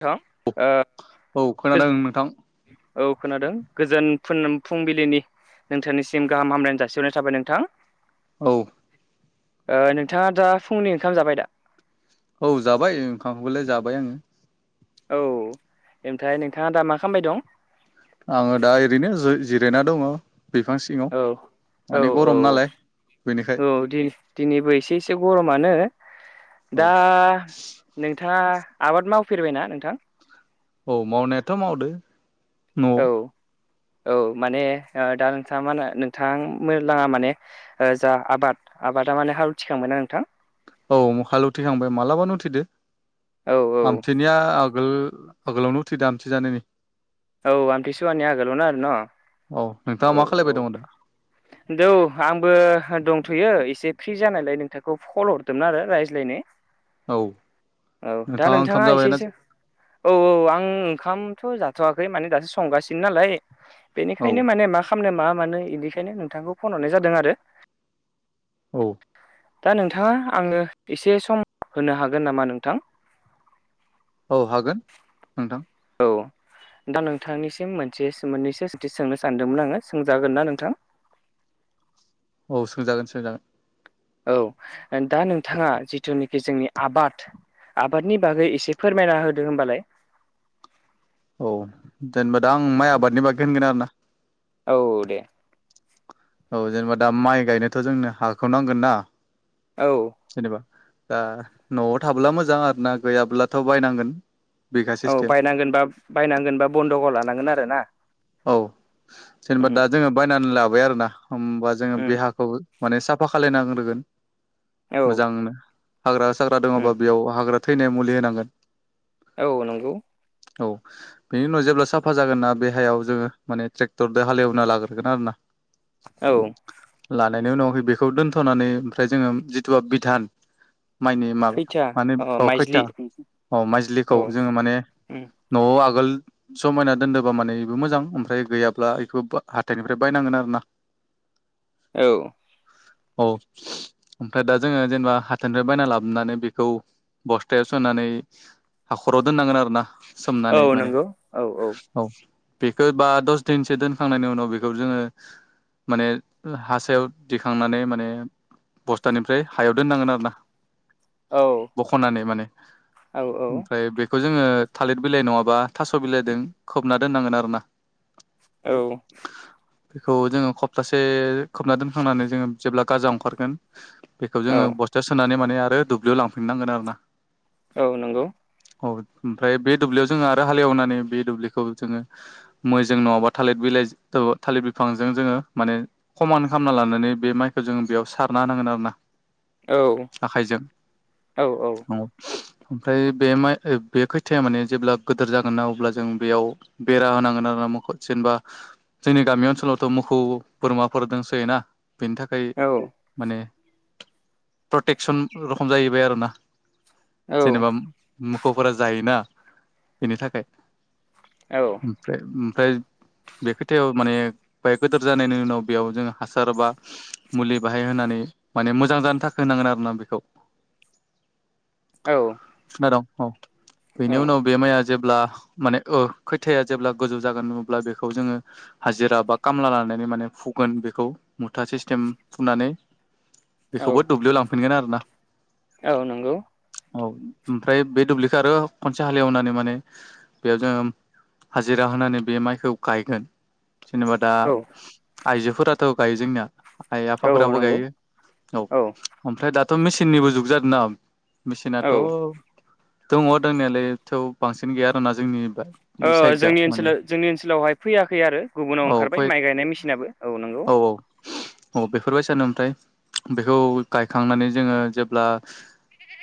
[unintelligible] ओ औ खोनादों गोजोन नोंथां औ खोनादों गोजोन फुन फुंबिलिनि नोंथांनिसिम गाहामलायनो जासिहरनाय थाबाय नोंथां औ नोंथांङा दा फुंनि ओंखाम जाबाय दा औ जाबाय ओंखामखौलाय जाबाय आंङो औ ओमफ्राय नोंथांङा दा मा खामबाय दं। आंङो दा ओरैनो जि जिरायना दंङो बिफां सिङांव औ औ माने गरम औ नालाय बेनिखाय औ दि दिनैबो एसे एसे गरमानो औ दा नोंथांङा आबाद मावफेरबायना नोंथां औ मावनायाथ' मावदो न'आव औ माने दा नोंथांङा मा होनो नोंथां लांङा माने जा आबाद आबादा माने हाल थिखांबायना नोंथां औ हाल उथिखांबाय मालाबानो उथिदो औ औ आमथि निया आगोल आगोलावनो आमथि जानायनि औ आमथिसुवानि आगोलावनो आरो न' नोंथाङा औ मा खालायबाय दङ दा औ दौ आंबो दंथ'यो एसे फ्रि जानायलाय नोंथांखौ फल हरदोंमोन आरो रायज्लायनो औ औ दा नोंथाङा ओंखाम नोंथांङा जाबायना एसेसो औ औ आं ओंखामथ' जाथ'वाखै माने दासो संगासिनो नालाय औ बेनिखायनो माने मा खालामनो मा मानो इनिखायनो नोंथांखौ फन हरनाय जादों आरो औ दा नोंथांङा आंनो एसे सम होनो हागोन नामा नोंथां औ हागोन नोंथां औ दा नोंथांनिसिम मोनसे मोन्नैसो सोंथि सोंनो सानदोंमोन आंङो सोंजागोन ना नोंथां औ सोंजागोन सोंजागोन औ दा नोंथांङा जिथुनाखि जोंनि आबाद आबादनि बागै एसे फोरमायना होदो होनबालाय औ जेनेबा दा आं माइ आबादनि बागै होनगोन आरो ना औ दे औ जेनेबा दा माइ गायनोथ' जोंनो हाखौ नांगोन ना औ जेनेबा दा न'आव थाबोला मोजां आरो ना गैयाब्लाथ' बायनांगोन बिगा औ सिस्टेम बायनांगोन बा बायनांगोन बा बन्द'कआव लानांगोन आरो ना औ जेनेबा उम दा जोङो बायनानै लाबाय आरोना होमबा जोङो बे उम हाखौ माने साफा खालाय नांग्रोगोन औ मोजांनो हाग्रा साग्रा दङबा उम बेयाव हाग्रा थैनाय मुलि होनांगोन औ नंगौ औ बेनि उनाव जेब्ला साफा जागोन ना बे हायाव जोङो माने ट्रेक्टरजों हालेवना लाग्रोगोन आरो ना औ लानायनि उनाव बेखौ दोनथ'नानै ओमफ्राय जोङो जिथु बिधान माइनि माबा खैथिया माने अ खैथा माइज्लि अ माइजलिखौ औ जोङो माने उम न'आव आगोल जमायना दोनदों बा माने बो मोजां ओमफ्राय गैयाब्ला बेखौ हाथाइनिफ्राय बायनांगोन आरो ना औ औ ओमफ्राय दा जोङो जेनेबा हाथायनिफ्राय बायना लाबोनानै बेखौ बस्थायाव सोनानै हाखराव दोननांगोन आरो ना औ सोमनानै माने नंगौ औ औ बेखौ बा दस दिनसो दोनखांनायनि उनाव बेखौ जोङो माने हासायाव दिखांनानै माने बस्थानिफ्राय हायाव दोननांगोन आरो ना औ बख'नानै माने औ ओमफ्राय बे खौ जोङो थालिर बिलाइ नङाबा थास' बिलाइदों खोबना दोननांगोन आरोना औ बेखौ जोङो हबथासे खोबना दोनखांनानै जोङो जेब्ला गाजा ओंखारगोन बेखौ औ जोङो बस्थायाव सोनानै माने आरो दुब्लियाव लांफिन नांगोन आरो ना ओं नंगौ औ ओमफ्राय बे दुब्लियाव जोङो आरो हालेवनानै बे दुब्लिखौ जोङो मैजों नङाब्ला थालिर बिलाइ थालिर बिफांजों जोङो माने खमान खालामना लानानै बे माइखौ जोङो बेयाव सारना होनांगोन आरो ना औ आखाइजों औ [unintelligible] ओमफ्राय बे माइ बे खोथियाया माने जेब्ला गोदोर जागोन ना अब्ला जों बेयाव बेरा होनांगोन आरो ना मोखद जेनेबा जोंनि गामि ओनसोलावथ' मोखौ बोरमाफोर दंसोयोना बेनि था बै औ माने प्रटेकसन रखम जाहैबाय आरोना औ जेनेबा मोखौफोरा जायोना बेनि थाखाय। औ फ्राय ओमफ्राय बे खोथायाव माने बाय गोदोर जानायनि उनाव बेयाव जों हासार बा मुलि बाहाय होनानै माने मोजां जानो थाखाय होनांगोन आरो ना बेखौ [inaudible] [unintelligible] औ बेनि उनाव बे माइया जेब्ला माने ओ खैथाया जेब्ला गोजौ जागोनब्ला बेखौ जोङो हाजिरा बा खामला लानानै माने फुगोन बेखौ मुथा सिस्टेम फुनानै [inaudible] बेखौबो दुब्लिआव लांफिनगोन आरो ना। औ नंगौ औ ओमफ्राय बे दुब्लिखौ आरो खनसे हालेवनानै माने बेयाव जोङो हाजिरा होनानै बे माइखौ गायगोन जेनेबा दा औ आइजोफोराथ' गायो जोंनिया आइ औ आफाफोराबो नंगौ गायो औ। ओमफ्राय दाथ' मेचिननिबो जुग जादों ना औ मेचिनाथ' दङ दंनायालायथ' बांसिन गैया आर ना जोंनि साइडजा जोंनि माने ओनसोलाव जोंनि ओनसोलावहाय फैयाखै आरो गुबुनाव औ ओंखारबाय माइ गायनाय मेसिनाबो औ नंगौ। अ बेफोरबायदि सानो ओमफ्राय बेखौ गायखांनानै जोङो जेब्ला।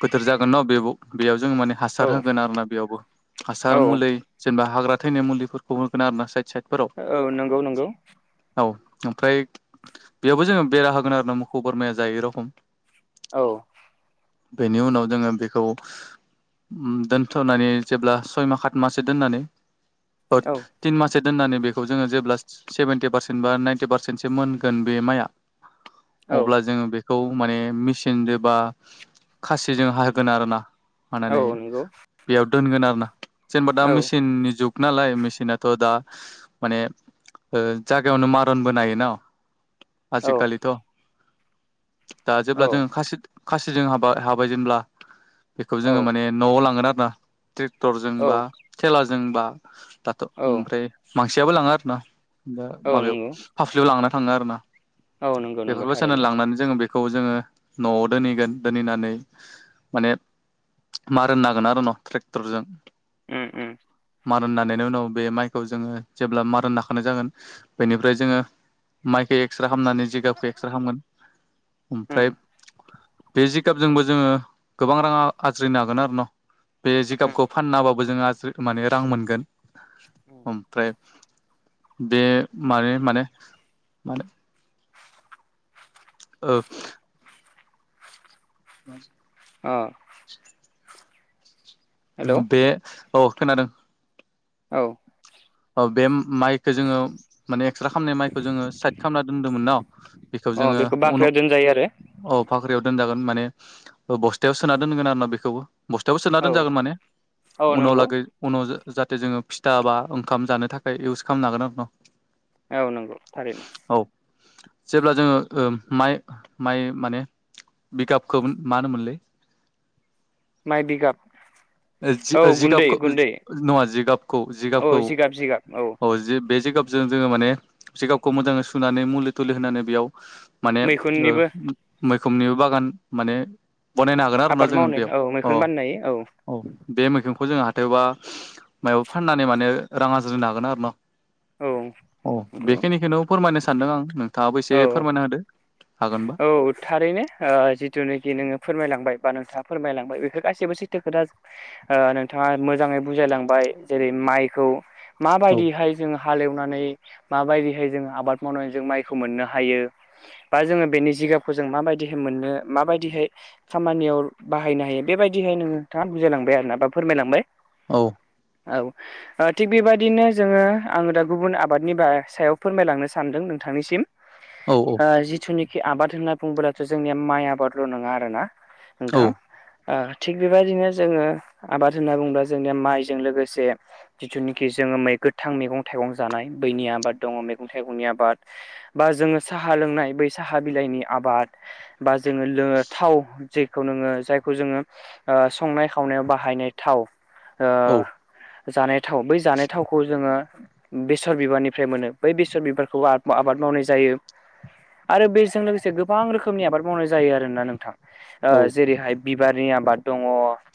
गोथार जागोन न बे बेयाव जों माने। हासार औ होगोन आरोोना बेयावबो हासार औ मुलि जेनेबा हाग्रा थैनाय मुलिफोरखौ होगोन आरो ना साइद साइद औ नंगौ नंगौ। औ ओमफ्राय बेयावबो जोङो बेरा होगोन आरो ना मोखौ बोरमाया जायो रखम औ। बेनि उनाव जोङो बेखौ दोनथ'नानै जेब्ला सय मास सात माससो दोननानै औ तिन माससे दोननानै बेखौ जोङो जेब्ला सेभेन्टि पारसेन्ट बा नाइन्टि पारसेन्टसो मोनगोन बे माइया। [inaudible] अब्ला जोङो बेखौ माने मेचिन ज बा खासिजों होगोन आरोना। औ मानानै नंगौ बेयाव दोनगोन आरो ना। जेनबा दा औ मेसिननि जुग नालाय मेसिनाथ' दा माने ओ जायागायावनो मारनबो नायो ना। औ आजिखालिथ' दा जेब्ला जोङो खासे खासिजों हाबाय हाबाय जेनब्ला बेखौ औ जोङो माने न'आव लांगोन आरो ना। ट्रेक्टरजोंबा खेलाजोंबा दाथ' औ ओमफ्राय मानसियाबो लाङा आरो ना। दा औ माबायाव नंगौ फाफ्लियाव लांना थाङो आरोना औ नंगौ नंगौ बेफोरबो चेनेल थारैनो लांनानै जोङो बे खौ जोङो न'आव दोनहैगोन दोनहैनानै माने मार होननांगोन आरो न' ट्रेक्टर जों उम उम। मारुन नानायनि उनाव बे माइखौ जोङो जेब्ला मारोन नाखानाय जागोन बेनिफ्राय जोङो माइखौ एक्स्रे खालामामनानै जिगाबखौ एक्स्रे खालामगोन उम ओमफ्राय बे जिगाबजोंबो जोङो गोबां राङा आज्रिनो हागोन आरो न' बे उम जिगाबखौ फाननाबाबो जोंरि माने रां मोनगोन। औ। ओमफ्राय बे माने माने माने ओ। बस आ। [inaudible] हेलौ बे औ खोनादों। औ। बे माइखौ जोङो माने एक्सट्रा खामनाय माइखौ जोङो साइद खालामना दोनदोंमोन न बेखौ अ जोङो अन बाख्रियाव दोनजायो आरो औ फाख्रियाव दोनजागोन माने बस्थायाव सोना दोनगोन आरो ना बेखौबो बस्थायावबो सोना औ दोनजागोन माने औ उनाव नंगौ लागै उनाव जाहाथे जोङो फिथा बा ओंखाम जानो थाखाय इउस खालामनो हागोन आरो न' औ नंगौ थारैनो। औ जेब्ला जोङो माइ माइ माने बिगाबखौ मा होनोमोनलै माइ जिगाब जिगाबखौ जिगाबखौ औ जिगाबखौ जिगाब जिगाब औ जि बे जिगाबजों जोङो माने जिगाबखौ मोजाङै सुनानै मुलि थुलि होनानै बेयाव माने मैखुननिबो मैखोमनिबो बागान जाने बनायनो हागोन आरो ना आबाद जोङो मावनो बेयाव औ मैखुन बानायनो हायो अ। औ बे मैगंखौ जोंङो हाथायबा माबा फाननानै माने रां आरज्रिनो हागोन आरो न औ औ नंगौ बेखिनिखौनो फोरमायनो सानदों आं नोंथाङाबो एसे औ फोरमायना होदो हागोन औ थारैनो ओ जिथुनाखि नोङो फोरमायलांबाय बा नोंथाङा फोरमायलांबाय बेखौ गासैबो सैथो खोथा ओ नोंथाङा मोजाङै बुजायलांबाय जेरै माइखौ औ माबायदिहाय जोंङो हालेवनानै माबायदिहाय जोंङ आबाद मावनानै जों माइखौ मोननो हायो बा जोङो बेनि जिगाबखौ जों माबायदिहै मोननो माबायदिहै खामानियाव बाहायनो हायो बेबायदिहाय नो नोंथाङा बुजायलांबाय आरो ना बा फोरमायलांबाय औ औ ओ थिग बेबायदिनो जोङो आङो दा गुबुन आबादनि सायाव फोरमायलांनो सानदों नोंथांनिसिम [inaudible] औ औ ओ जिथुनिखि आबाद होनना बुंबालाथ' जोंनिया माइ आबादल' नङा आरो ना औ नोंथां ओ थिग बेबायदिनो जोङो आबाद होनना बुङोब्ला जोंनिया माइजों लोगोसे जिथुनाखि जोङो मै गोरान मैगं थाइगं जानाय बैनि आबाद दङ मैगं थाइगंनि आबाद बा जोङो साहा लोंनाय बै साहा बिलाइनि आबाद बा जोङो थाव जेखौ नोङो जायखौ जोङो ओ संनाय खावनायाव बाहायनाय थाव ओ औ जानाय थाव बै जानाय थावखौ जोङो बेसर बिबारनिफ्राय मोनो बै बेसर बिबारखौबो आबाद मावनाय जायो आरो बेजों लोगोसे गोबां रोखोमनि आबाद मावनाय जायो आरोना नोंथां औ जेरैहाय बिबारनि आबाद दङ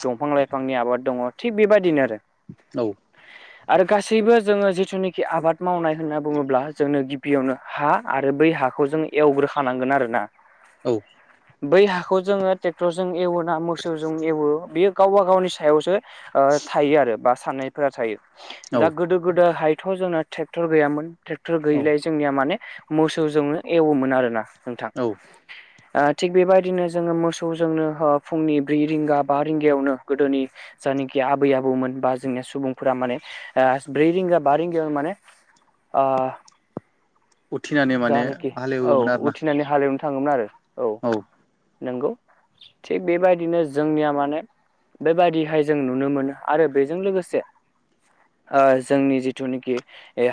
दंफां लाइफांनि आबाद दङ थिग बेबायदिनो आरो औ [inaudible] आरो गासैबो जोङो जिथुनाखि आबाद मावनाय होनना बुङोब्ला जोंनो गिबियावनो हा आरो बै हाखौ जों एवग्रोखानांगोन आरोना औ बै हाखौ जोङो ट्रेक्टरजों एवो ना मोसौजों एवो बेयो गावबा गावनि सायावसो ओ थायो आरो बा साननायफोरा थायो औ दा गोदो गोदोहायथ' जोंना ट्रेक्टर गैयामोन ट्रेक्टर औ गैयैलाय जोंनिया माने मोसौजोंनो एवोमोन आरो ना नोंथां औ ओ थिग बेबायदिनो जोङो मोसौजोंनो फुंनि ब्रै रिंगा बा रिंगायावनो गोदोनि जायनाखि आबै आबौमोन बा जोंनिया सुबुंफोरा माने ओ ब्रै रिंगा बा रिंगायाव माने आ उथिनानै माने हालेवोमोन आरो ना नानै हालेवनो थाङोमोन आरो औ नंगौ थिग बेबायदिनो जोंनिया माने बेबायादिहाय जों नुनो मोनो आरो बेजों लोगोसे ओ जोंनि जिथुनाखि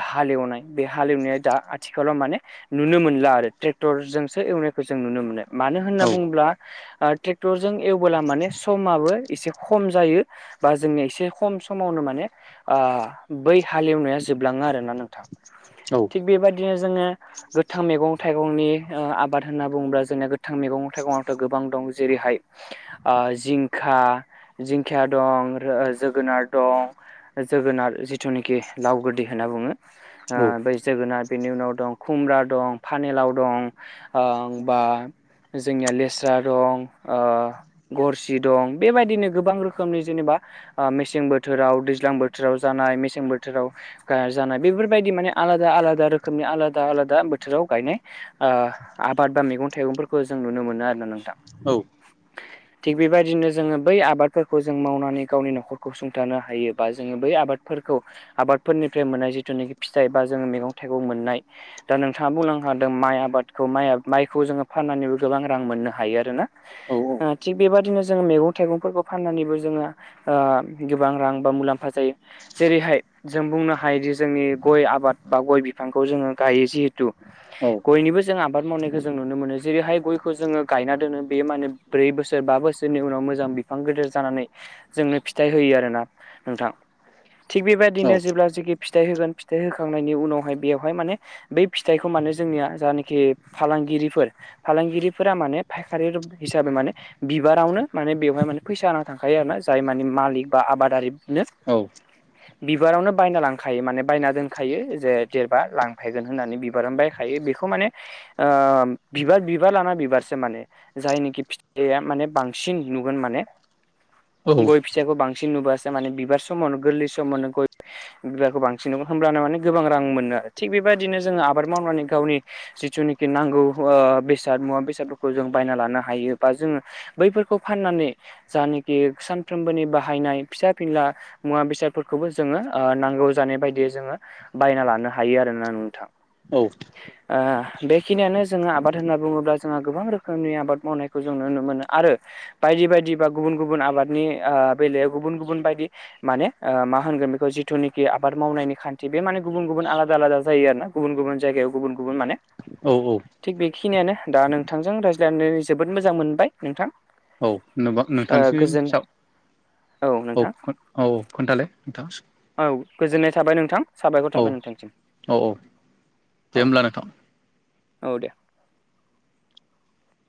हालेवनाय बे हालेवनाया दा आथिखालाव माने नुनो मोन ला आरो ट्रेक्टर जोंसो एवनायखौ जों नुनो मोनो मानो होनना औ बुङोब्ला ओ टरजों एवबोला माने समाबो एसे खम जायो बा जोंनिया एसे खम समावनो माने आ बै हालेवनाया जोबलाङा आरोना नों थां औ थिग बेबायदिनो जोङो गोथां मैगं थाइगंनि ओ आबाद होनना बुङोब्ला जोंनिया गोथां मैगं थाइगंआथ' गोबां दं जेरैहाय ओ जिंखा जिंखाया दं जोगोनार दं जोगोनार जिथुनाखि लाव गोदै होनना बुङो ओ औ बै जोगोनार बेनि उनाव दं खुमब्रा दं पानेलाव दं ओ बा जोंनिया लेस्रा दं ओ गरसि दं बेबायदिनो गोबां रोखोमनि जेनेबा मेसें बोथोराव दैज्लां बोथोराव जानाय मेसें बोथोराव जानाय बेफोरबायदि माने आलादा आलादा रोखोमनि आलादा आलादा बोथोराव गायनाय आबाद बा मैगं थाइगंफोरखौ जों नुनो मोनो आरोना नोंथां औ [inaudible] थिग बेबायदिनो जोङो बै आबादफोरखौ जों मावनानै गावनि न'खरखौ सुंथानो हायो बा जोङो बै आबाद फोरखौ आबादफोरनिफ्राय मोननाय जिथुनाखि फिथाइ बा जोङो मैगं थाइगं मोननाय दा नों बिथाङा बुंलांखादों माइ आबादखौ माइखौ जोङो फाननानैबो गोबां रां मोननो हायो आरोना औ थिग बेबादिनो जोङो मैगं थाइगंफोरखौ फाननानैबो जोङो गोबां रां बा मुलाम्फा जायो जेरैहाय जों बुंनो हायोदि जोंनि गय आबाद बा गय बिफांखौ जोङो गायो जिहेथु औ गयनिबो जों आबाद मावनायखौ जों नुनो मोनो जेरैहाय गयखौ जोङो गायना दोनो बेयो माने ब्रै बोसोर बा बोसोरनि उनाव मोजां बिफां गेदेर जानानै जोंनो फिथाइ होयो आरोना नोंथां थिग औ बेबायदिनो जेब्ला जखि फिथाइ होगोन फिथाइ होखांनायनि उनावहाय बेवहाय माने बै फिथाइखौ मान जोंनिया जानाखि फालांगिरिफोर फालांगिरिफोरा माने फायखारि हिसाबै माने बिबारावनो माने बेवहाय माने फैसा होना थांखायो आरोना जाय मानि मालिक बा आबादारिनो औ बिबारावनो बायना लांखायो माने बायना दोनखायो जे देरबा लांफैगोन होननानै बिबारानो बायखायो बेखौ माने बिबार बिबार लाना बिबारसो माने जायनिखि फिथाइया माने बांसिन नुगोन माने गय फिसाखौ बांसिन नुबासो माने बिबार समावनो गोरलै समावनो गय बिबारखौ बांसिन नो होमब्लानो माने गोबां रां मोनो आरो थिग बेबायदिनो जोङो आबाद मावनानै गावनि जिथुनाखि नांगौ बेसाद मुवा बेसादफोरखौ जों बायना लानो हायो बा जोङो बैफोरखौ फाननानै जानखि सानफ्रोमबोनि बाहायनाय फिसा फिनला मुवा बेसादफोरखौबो जोङो नांगौ जानाय बायदियै जोङो बायना लानो हायो आरो दाना नोंथां औ बेखिनियानो जोङो आबाद होनना बुङोब्ला जोंहा गोबां रोखोमनि आबाद मावनायखौ जों नुनो मोनो आरो बायदि बायदि बा गुबुन गुबुन आबादनि बेलायाव गुबुन गुबुन बायदि माने मा होनगोन बेखौ जिथुनिखि आबाद मावनायनि खान्थि बे माने गुबुन गुबुन आलादा आलादा जायो आरो ना गुबुन गुबुन जायगायाव गुबुन गुबुन माने औ औ थिग बेखिनियानो दा नोंथांजों रायज्लायनानै जोबोद मोजां मोनबाय नोंथां औ होनबा ओ नोंथांसिम गोजोन सा औ औ खोन्थालाय नोंथां औ गोजोननाय थाबाय नोंथां साबायखर औ थाबाय नोंथांनिसिम औ औ दे औ होमब्ला नोंथां औ दे